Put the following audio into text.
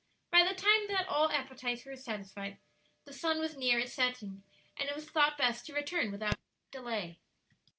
By the time that all appetites were satisfied, the sun was near his setting, and it was thought best to return without delay.